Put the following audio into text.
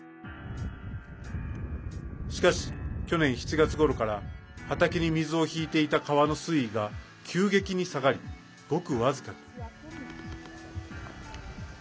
しかし、去年７月ごろから畑に水を引いていた川の水位が急激に下がり、ごく僅かに。